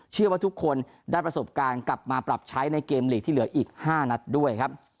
เชื่อว่าทุกคนได้ประสบการณ์กลับมาปรับใช้ในเกมลีกที่เหลืออีก๕นัดด้วยครับ